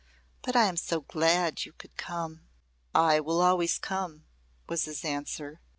But I am so glad you could come!" "I will always come," was his answer.